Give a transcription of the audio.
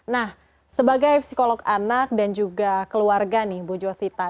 nah sebagai psikolog anak dan juga keluarga nih bu jovita